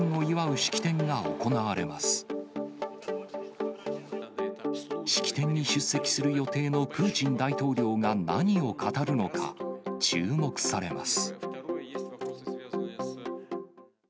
式典に出席する予定のプーチン大統領が何を語るのか、注目されます。